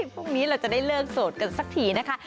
พรุ่งนี้เราจะได้เลิกโสดกันสักทีนะคะ